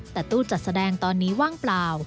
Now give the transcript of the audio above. แต่ตู้จัดแสดงตอนนี้ว่างเปล่า